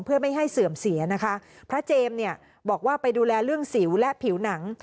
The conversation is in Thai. เพื่อไม่ให้เสื่อมเสียนะคะพระเจมส์เนี่ยบอกว่าไปดูแลเรื่องสิวและผิวหนัง